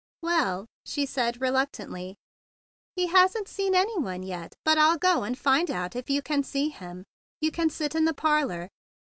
"Well," she said reluctantly, "he hasn't seen any one yet; but I'll go and find out if you can see him. You can sit in the parlor."